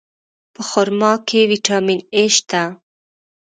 په خرما کې ویټامین A شته.